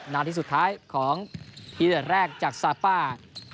นาทีสุดท้ายของทีเดือดแรกจากซาป้า